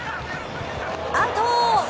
アウト！